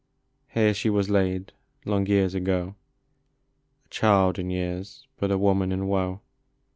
Here she was laid long years ago, A child in years, but a woman in woe.